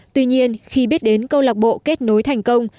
tuy nhiên khi biết đến câu lạc bộ kết nối thành công